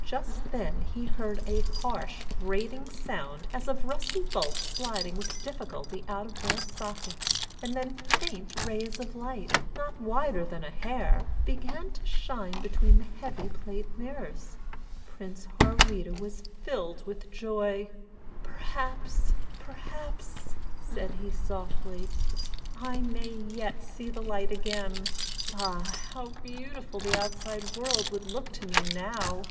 Just then he heard a harsh, grating sound as of rusty bolts sliding with difficulty out of their sockets, and then faint rays of light, not wider than a hair, began to shine between the heavy plate mirrors. Prince Harweda was filled with joy. "Perhaps, perhaps," said he softly, "I may yet see the light again. Ah, how beautiful the outside world would look to me now!"